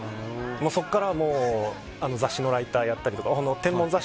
そこからもう天文雑誌のライターやったりとか。